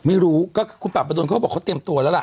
ไม่รู้ก็คือคุณป่าประดนเขาก็บอกเขาเตรียมตัวแล้วล่ะ